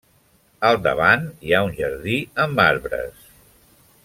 Al davant hi ha un jardí amb arbres.